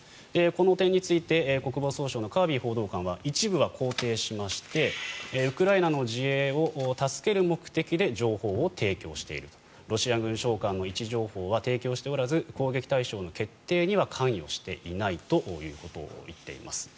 この点について国防総省のカービー報道官は一部は肯定しましてウクライナの自衛を助ける目的で情報を提供しているロシア軍将官の位置情報は提供しておらず攻撃対象の決定には関与していないということを言っています。